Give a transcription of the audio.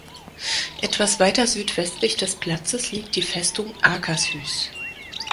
Etwas weiter südwestlich des Platzes liegt die Festung Akershus.